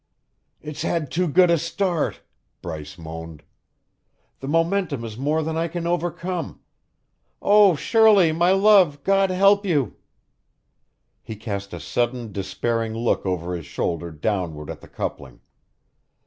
"It's had too good a start!" Bryce moaned. "The momentum is more than I can overcome. Oh, Shirley, my love! God help you!" He cast a sudden despairing look over his shoulder downward at the coupling.